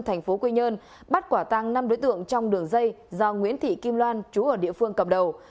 thành phố quy nhơn bắt quả tăng năm đối tượng trong đường dây do nguyễn thị kim loan chú ở địa phương cầm đầu